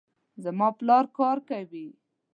زما پلار کار کوي